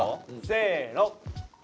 せの。